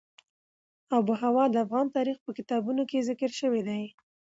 آب وهوا د افغان تاریخ په کتابونو کې ذکر شوی دي.